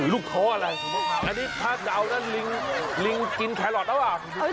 ลูกท้ออะไรอันนี้พ่อจะเอาลิงกินแคโรตแล้วเหรอ